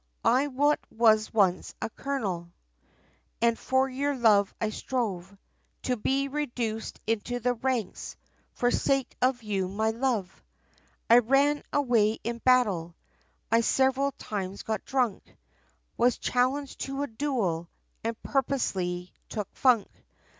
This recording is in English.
I'm wot was once a Colonel, And for your love, I strove, To be reduced, into the ranks, For sake of you, my love; I ran away in battle, I several times got drunk, Was challenged to a duel, and purposely took funk.